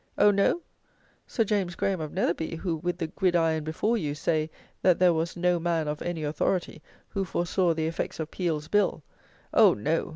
Oh, no? Sir James Graham of Netherby, who, with the gridiron before you, say, that there was "no man, of any authority, who foresaw the effects of Peel's Bill;" oh, no!